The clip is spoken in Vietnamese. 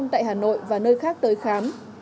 tại hà nội và nơi khác tới khám